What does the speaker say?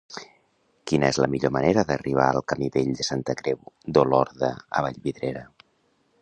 Quina és la millor manera d'arribar al camí Vell de Santa Creu d'Olorda a Vallvidrera?